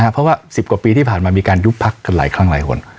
เพราะว่า๑๐กว่าปีที่ผ่านมามีการยุบพักกันหลายครั้งหลายคน